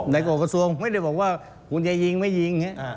โกกระทรวงไม่ได้บอกว่าคุณจะยิงไม่ยิง